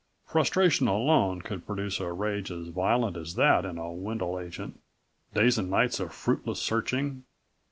Frustration alone could produce a rage as violent as that in a Wendel agent days and nights of fruitless searching.